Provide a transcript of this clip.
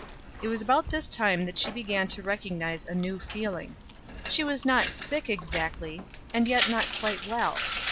It was about this time that she began to recognize a new feeling. She was not sick exactly, and yet not quite well.